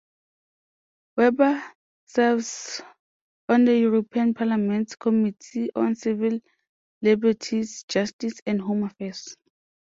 Weber serves on the European Parliament's Committee on Civil Liberties, Justice and Home Affairs.